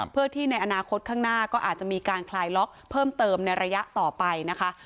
เพื่อที่ในอนาคตข้างหน้าก็อาจจะมีการคลายล็อกเพิ่มเติมในระยะต่อไปนะคะ